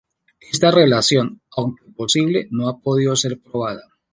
Esta relación, aunque posible, no ha podido ser probada.